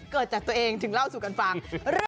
เกิดจากตัวเองถึงเล่าสู่กันฟัง